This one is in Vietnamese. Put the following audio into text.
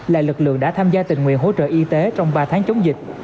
là lực lượng đã tham gia tình nguyện hỗ trợ y tế trong ba tháng chống dịch